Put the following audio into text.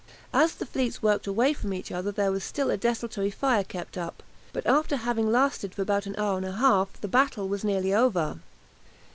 As the fleets worked away from each other there was still a desultory fire kept up, but after having lasted for about an hour and a half the battle was nearly over.